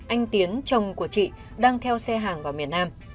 anh tiến chồng của chị đang theo xe hàng vào miền nam